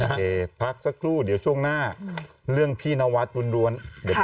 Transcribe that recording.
โอเคพักสักครู่เดี๋ยวช่วงหน้าเรื่องพี่นวัดรวมเดี๋ยว